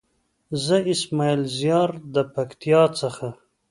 زه اسماعيل زيار د پکتيا څخه.